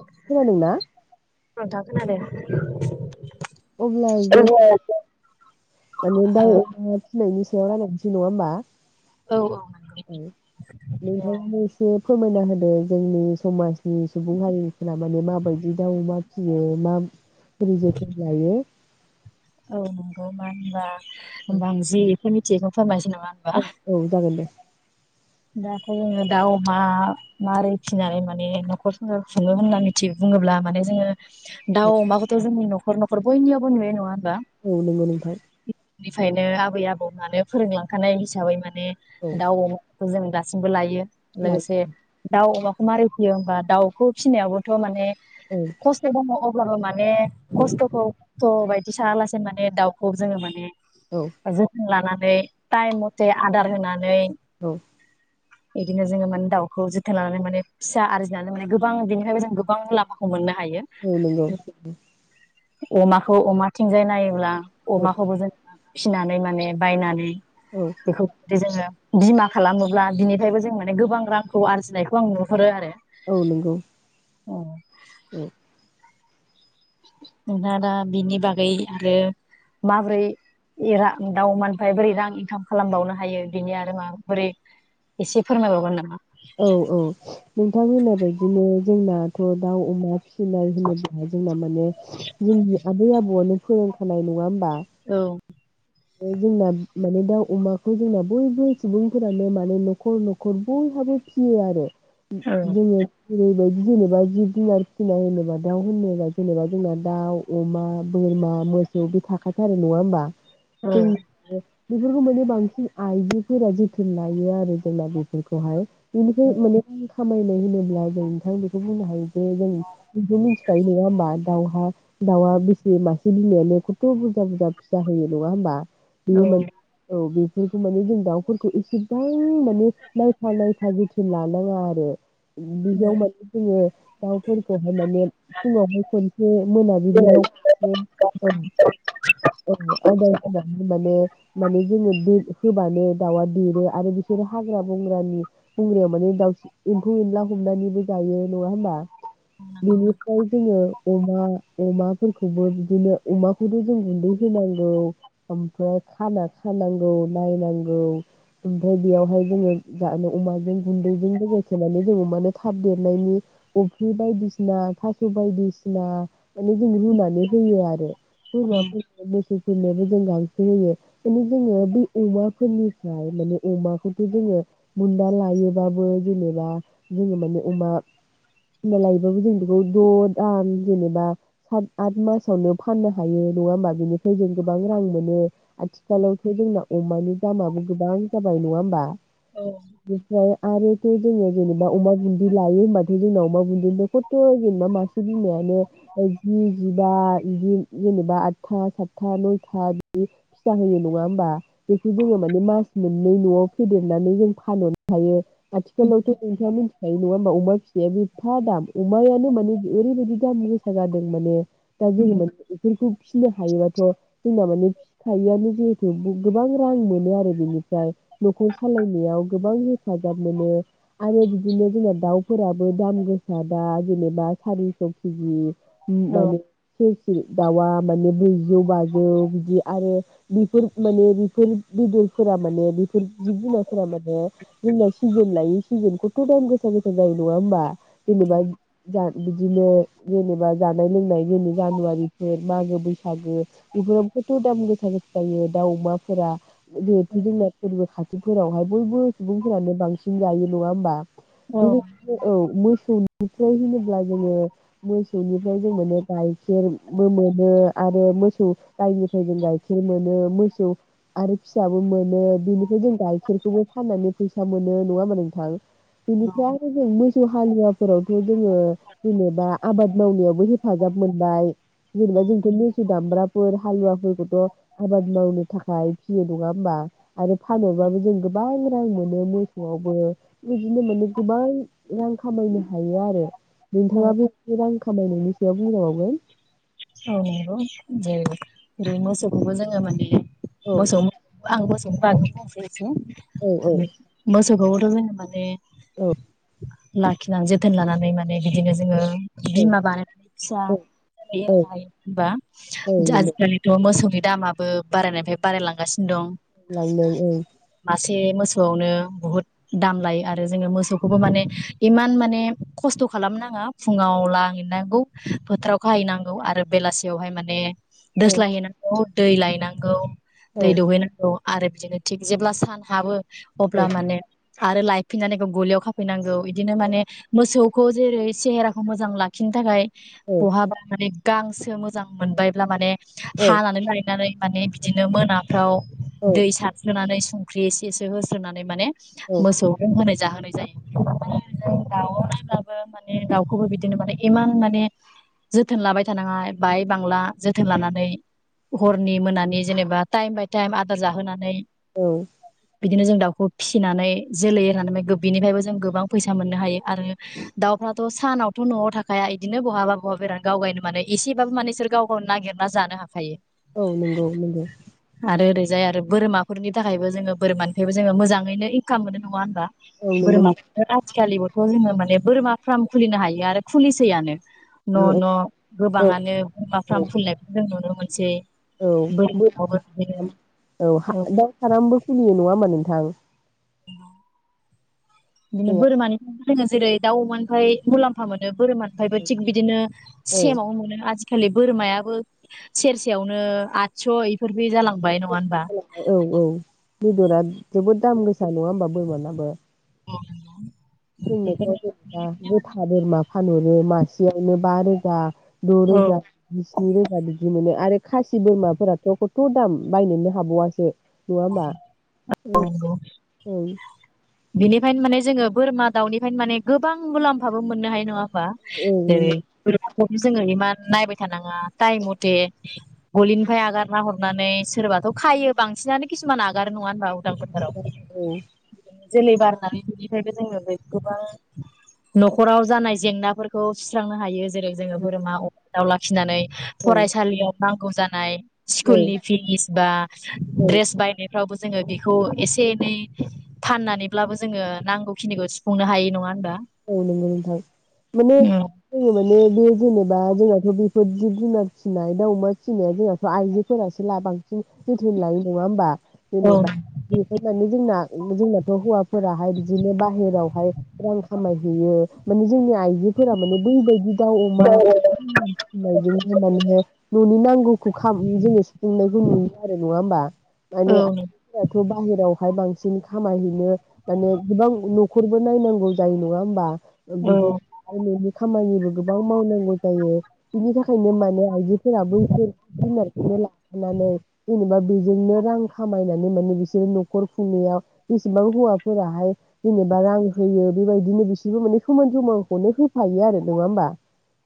खोनादों ना? नोंथां [inaudible] अब्लायबो माने औ दाउ, अमा फिनायनि सायाव रायलायनोसै नङा होमबा? औ नंगौ औ नोंथांनो एसे फोरमायना होदो जोंनि समाजनि सुबुं हारिनि फोरा माने माबायदि दाउ, अमा फियो मा बोरै जोथोन लायो। औ नंगौ मानो होनबा मांजि नों मिथियिखौ फोरमायसै नामा? होनबा औ औ जागोन दे दाथ जोङो दाउ अमा मोरै फिनानै माने नखर संसार खुङो होनना मिथियो बुङोब्ला माने जोङो दाउ अमाखौथ जोंनि नखर न अर बयनियावबो नुयो नंआ औ नोङो नोंथाय बेनिफ्रायनो आबै आबौ माेनो फोरोंलांखानाय हिसाबै मान ने औ दाउ जों दासिमबो लायो लायो लोगोसे दाउ अमा मारै फियो होमबा दाउखौ फिसिनायावाबोथ माने खसथ दङ अब्लाबो मान ने औ खस्थखौ थ बायदि सायालासेनो माने दाउखौ जोङो माने औ औ जोथोन लाना [unintelligible] थाइम मथे आदार होनानै औ बिदिनो जोङो माने दाउखौ जोथोन लानानै माने फिसा आरजिनानै माने गोबां बिनिफ्रायबो जों गोबां लामाखौ मोनो औ नंगौ अमाखौ अमाथिंजाय नायोब्ला औ अमाखौ बो जों फिनानै माने बायनानै औ बेखौदि जोङो बि मा खालामोब्ला बिनिफ्रायबो जों माने गोबां रांखौ आरजिनायखौ आं नुहरो आरो औ नोंगौ औ औ नोंथांआदा बिनि बागै आरो माबोरै [unintelligible] दाउमानिफ्राय बोरै रां इनकाम खालामबावनो हायो बिनि आरो माबोरै एसे फोरमायबावगोन नामा? औ औ नोंथां होनायबाय बिदिनो जोंनाथ दाउ अमा फि [unintelligible] होनोब्ला जोंना माने जोंनि आबै आबौ [unintelligible] फोरोंखानाय नङा होमबा औ जोंना माने दाउ अमाखौ जोंना बयबो सुबुंफोरानो माने नखर नखर बयहाबो फियो आरो औ [unintelligible] ओरैबायदि जेनेबा जिब जुनार फिसिनाय होनोबा दाउ होनोबा जेनेबा जोंना दाउ, अमा, बोरमा, मोसौ बे थाखाथारो नङा होमबा? औ [unintelligible] बेफोरखौ माने बांसिन आइजोफोरा जोथोन लायो आरो जोंना बेफोरखौहाय बेनिफ्राय मोने [unintelligible] खामायनाय होनोब्ला जों नोंथां बेखौ बुंनो हायो जे जों जोंथ मिथिखायो नङा होमबा दाउहा दाउआ बेसे मासे बिमायानो खथ बुरजा बुरजा फिसा होयो नङा होमबा? औ बेयो माने औ बेखौ माने जों दाउफोरखौ एसेबां माने नायफा नायफा जोथोन लानाङा आरो बिदियाव माने जोङो दाउफोरखौहाय माने फुङावहाय खनसे मोनाबिलियाव खनसे सम औ आदार माने माने जोङो होबानो दाउआ देरो आरो बिसोरो हाग्रा बंग्रानि बंग्रायाव माने दाउ एम्फौ एनला हमनानैबो जायो नङा होमबा? बेनिफ्राय जोङो अमा अमाफोरखौबो बिदिनो अमाखौथ जों गुन्दै होनांगौ ओमफ्राय खाना खानांगौ नायनांगौ ओमफ्राय बेयावहाय जोङो जा अमाजों गुन्दैजों [unintelligible] थेनानै जोङो माने थाब देरनायनि अफ्रि बायदिसिना थास बायदिसिना माने जों रुनानै होयो आरो बोरमा [unintelligible] [unintelligible] जों गांसो होयो माने जोङो बै अमाफोरनिफ्राय माने अमाखौथ जोङो बुन्दा लायोबाबो जेनेबा जोङो माने अमा लायोबाबो जों बेखौ द दान जेनेबा सात आत मासावनो फाननो हायो नङा होमा बेनिफ्राय जों गोबां रां मोनो आथिखालावथ जोंना अमानि दामाबो गोबां जाबाय नङा होमबा? बिनिफ्राय आरोथ जोङो जेनेबा अमा बुन्दि लायो होनबाथाय जोंना अमा बुन्दिनिफ्राय खथ जेनेबा मासे बिमायानो जि जिबा बिदि जेनेबा आदथा सातथा नय था फिसा होयो नङा होमबा बेखौ जोङो माने मास मोननै नआव फेदेरनानै जों फानहरनो हायो आथिखालावथ नोंथाङा मिथिखायो नङा होमबा अमा फिसाया एबफा दाम अमायानो माने ओरैबायदि दाम गोसा जादों माने दा जों माने बेफोरखौ फिसिनो हायोबाथ बे फिथायानो जिहेथु गोबां रां मोनो आरो बेनिफ्राय नखर सालायनायाव गोबां हेफाजाब मोनो आरो बिदिनो जोंना दाउफोराबो दाम गोसा दा जेनेबा सारिस केजि [unintelligible] औ दाउआ माने ब्रैजौ बाजि ओ बिदि आरो बेफोर माने बेफोर बेदरफोरा माने बेफोर जिब जुनारफोरा माने जोंना सिजोन लायै सिजोन खथ दाम गोसा गोसा जायो नङा होमबा? जेनेबा [unintelligible] बिदिनो जेनेबा जानाय लोंनाय जोंनि जानुवारिफोर मागो बैसागो बेफोराव खथ दाम गोसा गोसा जायो दाउ अमाफोरा जिहेथु जोंना फोरबो खाथिफोरावहाय बयबो सुबुंफोरानो बांसिन जायो नङा होमबा औ बेबायदिनो औ मोसौ ओमफ्राय होनोब्ला जोङो मोसौनिफ्राय जों मोनो गाइखेरबो मोनो आरो मोसौ गायनिफ्राय जों गाइखेर मोनो मोसौ आरो फिसाबो मोनो बेनिफ्राय जों गाइखेरखौबो फाननानै फैसा मोनो नङा होमबा नोंथां? बेनिफ्राय आरो जों मोसौ हालुवाफोरावथ जोङो जेनेबा आबाद मावनायावबो हेफाजाब मोनबाय। जेनेबा जोंथ' मैसो दामब्रा मोसौ हालुवाफोरखौथ आबाद मावनो थाखाय फिसियो नङा होमबा आरो फानोब्लाबो जों गोबां रां मोनो मोसौआवबो बिदिनो माने गोबां रां खामायनो हायो आरो नोंथाङा जों खामायनायनि सायाव बुंजाबावगोन औ नंगौ जेरै बे मोसौखौबो जोङो माने औ मोसौ आं [unintelligible] जों औ औ मोसौखौ द होनबाने औ लाखिनानै जोथोन लानानै माने बिदिनो जोङो बिमा औ बानायनाय फिसा औ बे बा औ नंगौ आजिखालिथ मोसौनि दामाबो बारायनायनिफ्राय बारायलांगासिनो दं लांदों ओं एसे मोसौआवनो बुहुद दाम लायो आरो जोङो मोसौखौबो माने इमान माने खस्थ खालामनााङा फुङाव लांनांगौ फोथाराव खाहैनांगौ आरो बेलासियावहाय माने औ दोस्लाय हैनांगौ दै लायनांगौ औ दै दौहैनांगौ आरो बिदिनो थिग जेब्ला सान हाबो औ अब्ला माने आरो लायफिननानै गलियाव खाफैनांगौ बिदिनो माने मोसौखौ जेरै सेहेराखौ मोजां लाखिनो थाखाय औ औ बहाबा माने गांसो मोजां मोनबायब्ला माने हानानै लायनानै माने बिदिनो मोना फ्राव दै सारस्रोनानै संख्रि एसे एसे होस्रोनानै माने औ मोसौ नो होन जाहोनाय जायो दाउ नायब्लाबो माने दाउखौबो बिदिनो माने इमान माने जोथोन लाबाय थानाङा बाय बांला जोथोन लानानै हरनि मोनानि जेनेबा टाइम बाय टाइम आदार जाहोनानै औ बिदिनो जों दाउखौ फिसिनानै जोलै होननानै बिनिफ्रायबो जों गोबां फैसा मोननो हायो आरो दाउफ्राथ सानावथ नआव थाखाया बिदिनो बहाबा बहाबा बेराद गावगायनो माने एसेबाबो मानेसोर गाव गावनो नागिरना जानो हाखायो औ नंगौ नंगौ जाय आरो बोरमाफोरनि थाखायबो जोङो बोरमानिफ्रायबो जोङो मोजाङैनो इनकाम मोनो नङा होनबा औ नंगौ बोरमा नंगौ आथिखालिबोथ जोङो मान माने बोरमा फार्म खुलिनो हायो आरो खुलिसैयानो न न औ गोबाङानो बोरमाफ्राम औ फुलिनाय खौ नुनो मोनसै औ बोरमाखौबो बोरमा बिदिनो औ दाउ फारामबो खुलियो नङा बा नोंथां बिदिनो औ बोरमानिफ्राय जोङो जेरै दाउ अमानिफ्राय मुलाम्फा मोनो बोरमानिफ्रायबो थिग बिदिनो औ सेमावबो मोनो आजि खालि बोरमायाबो सेरसेयावनो आथस' इफोर बि जालां बाय नङा होनबा? औ औ बेदरा जोबोद दाम गोसा नङा होमबा बोरमानाबो अ नंगौ [unintelligible] बुथा बोरमा फानहरो मासेयावनो बा रोजा द' औ रोजा जि स्नि रोजा बिदि बिदि मोनो आरो खासि बोरमाफोराथ' खथ' दाम बायनोनो हाबावासो नङा होमबा? [unintelligible] औ नंगौ औ बिनिफ्रायनो माने जोङो बोरमा दाउनिफ्रायनो माने गोबां मुलाम्फाबो मोननो हायो नङा होनबा? औ जेरै नंगौ जोङो इमान नायबाय थानाङा टाइम मथे गलिनिफ्राय आगारना हरनानै सोरबाथ' खायो बांसिनानो किसुमान आगारो नङा होनबा बा‌ उदां फोथा राव औ जोलै बारनानै बिनिफ्रायबो जोङो गोबां न'खराव जानाय जेंनाफोरखौ सुस्रांनो हायो जेरै जोङो बोरमा अमा दाउला फिसिनानै फरायसालियाव रां नांगौ जानाय औ स्कुलनि फिस बा औ द्रेस फ्रावबो जोङो बेखौ एसे एनै फाननानैब्लाबो जोङो नांगौखिनिखौ सुफुंनो हाय नङा होनबा? औ नंगौ नोंथां माने जोङो माने बे जेने बा जोंहाथ बेफोर जिब जुनार फिसिनाय दा अमा फिसिनाया जोंहाथ आइजोफोरासो ला बांसिन जोथोन लायो नङा होमबा औ जेनेबा बेहाय माने जोंना जोंनाथ' हौवाफोराहाय बिदिनो बाहेरावहाय रां खामायहैयो माने जोंनि आइजोफोरा माने बैबायदि दाउ अमा नंगौ फिनायजोंनो माने न'नि नांगौ [unintelligible] जोङो सुफुंनायखौ नुयो आरो नङा होमबा माने औ आइजोफोराथ' बाहेरावहाय बांसिन जों खामायहैनो माने गोबां न' खरबो नायनांगौ जायो नङा होमबा औ [unintelligible] खामानिबो गोबां मावनांगौ जायो बिनि थाखायनो माने आइजो फोराबो एसे [unintelligible] बा बेजोंनो रां खामायनानै माने बिसोर न'खर खुंनायाव बेसेबां हौवाफोराहाय जेनेबा रां होयो बेबायदिनो बिसोरबो माने समान समानखौनो होफायो आरो नङा होमबा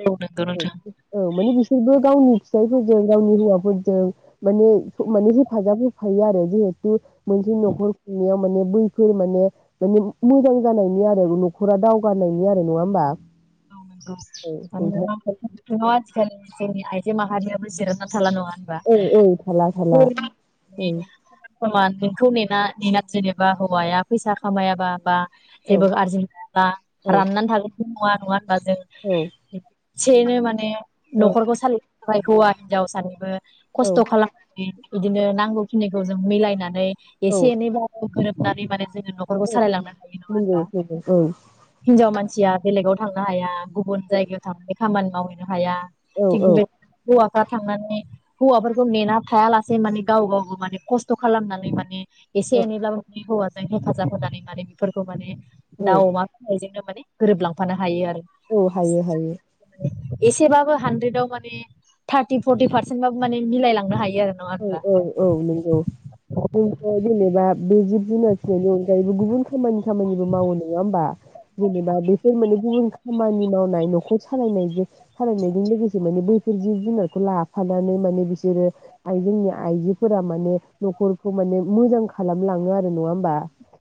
औ नंगौ औ नोंथां औ माने बिसोरबो गावनि फिसाइफोरजों गावनि हौवाफोरजों माने माने हेफाजाब होफायो आरो जिहेतु मोनसे न'खर खुंनायाव माने बैफोर माने-माने मोजां जानायनि आर न'खरा दावगानायनि आरो नङा होमबा [unintelligible] नोंथां माहारियाबो जिरायना थाला नङा बा औ औ थाला थाला [unintelligible] औ समान समान नोंखौ नेना जेनेबा हौवाया फैसा खामायाबा बा औ जेबो आरजिनो हायाबा औ राननानै थागोन बे नङा बा जों सेनो माने न'खरखौ सालि ओमफाय हौवा हिनजाव सानैबो खस्थ' खालामनानै इदिनो नांगौखिनि जों मिलायनानै औ औ एसे एनै बा बो गोरोब [unintelligible] जोङो न'खरखौ औ सालायलांनो हायो नङा नंगौ होनबा नंगौ औ हिनजाव मानसिया बेलेगाव थांनो हाया गुबुन जायगायाव थां खामानि मावहैनो हाया औ थिग औ बेबादिनो हौवा थांनानै हौवाफोरखौ नेना थायालासे माने गाव गावबो माने खस्थ खालामनानै माने एसे एनैबलाबो हैवाजों जों हेफाजाब होनानै माने बेफोरखौ माने औ दाउ अमा फाननायजोंनो माने गोरोबलां हायो आरो औ हायो हायो [inaudible] एसेबाबो हानद्रेदाव माने थार्टि फर्टि पारसेन्ट बाबो माने मिलायलांनो हायो आरो नङा औ होनबा औ औ नंगौ नंगौ जेनेबा बे जिब जुनार फिनायनि अनगायैबो गुबुन खामानि खामानिबो मावो नङा होमबा जेनेबा बेफोर माने गुबुन खामानि मावनाय नखर सालायनायजो सालायनायजों लोगोसे माने बैफोर जिब जुनारखौ लाफानानै माने बिसोरो आइ जोंनि आइजोफोरा माने नखरखौ माने मोजां खालामलाङो आरो नङा होमबा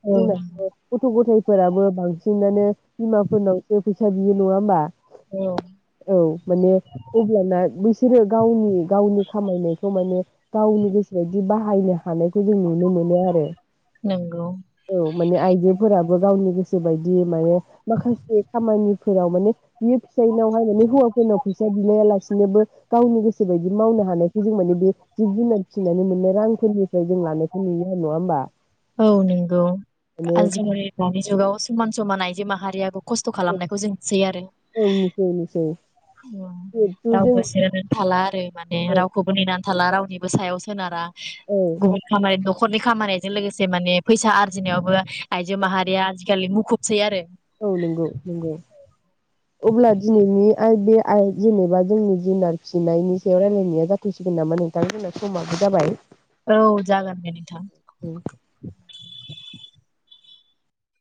औ जोंना थ गथ गथाय फोराबो बांसिनानो बिमाफोरनावसो फैसा बियो नङा होमबा औ औ माने अब्लाना बै बिसोरो गावनि गावनि खामायनाय माने गावनि गोसोबायदि बाहायनो हानायखौ जोङो नुनो मोनो आरो नंगौ औ माने आइजोफोराबो बो गावनि गोसो बायदियै माने माखासे खामानिफोराव माने बियो फिसाइनावहाय मान हौवाफोरनाव फैसा बिलाया लासि बिनोबो गावनि गोसोबायदि मावनो हानायखौ जों माने बे जिब जुनार फिसिनानै मोननाय रांफोरनिफ्राय जों लानायखौ नुनो मोनो नङा होमबा औ नंगौ माने आजिखालि दानि जुगाव समान समान आइ जो माहारियाबो खस्थ खालामनायखौ जों नुसै आरो औ नुसै नुसै उम जिहेथु रावबो जों जेरैबो थाला आरो माने औ रावखौबो नेनानै थाला रावनिबो सायाव सोनारा औ गुबुन खामाय द नखरनि खामानिजों लोगोसे से माने फैसा आरजिनायावबो आइजो माहारिया आजिखालि मुखुबसै आरो औ नंगौ नंगौ अब्ला दिनैनि आरो बे ए जेनेबा जोंनि जुनार फिसिनायनि सायाव रायलायनाया जाथसिगोन नामा नोंथां जोंहा समाबो जाबाय औ जागोन दे नोंथां। [inaudible]